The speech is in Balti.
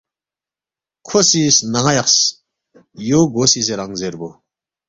کھو سی سنان٘ا یقس، یو گو سی زیرانگ زیربو